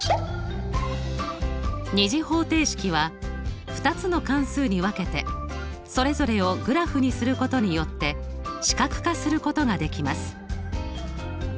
２次方程式は２つの関数に分けてそれぞれをグラフにすることによって視覚化することができます。